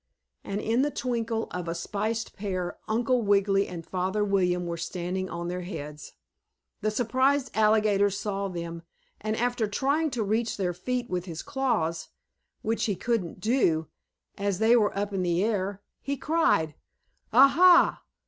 And in the twinkle of a spiced pear Uncle Wiggily and Father William were standing on their heads. The surprised alligator saw them, and after trying to reach their feet with his claws, which he couldn't do, as they were up in the air, he cried: "Ah, ha!